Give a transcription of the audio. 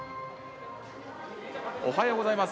おはようございます。